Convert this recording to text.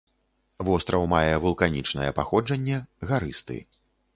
Востраў мае вулканічнае паходжанне, гарысты.